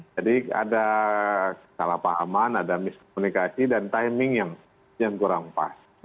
jadi ada salah pahaman ada miskomunikasi dan timing yang kurang pas